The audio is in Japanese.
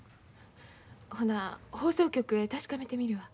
ほな放送局へ確かめてみるわ。